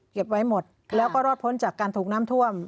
ไว้หมดแล้วก็รอดพ้นจากการถูกน้ำท่วม